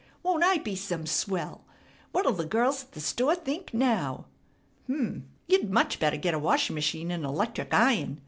Won't I be some swell? What'll the girls at the store think now?" "H'm! You'd much better get a washing machine and a 'lectric iron!"